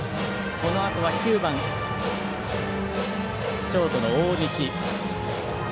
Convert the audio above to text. このあとは、９番ショートの大西。